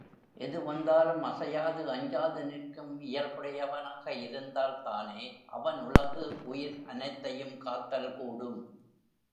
எது வந்தாலும் அசையாது அஞ்சாது நிற்கும் இயல்புடையவனாக இருந்தால் தானே, அவன் உலகு, உயிர் அனைத்தையும் காத்தல் கூடும்.